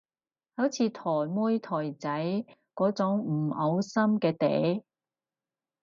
好似台妹台仔嗰種唔嘔心嘅嗲